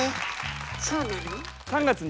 そうなの？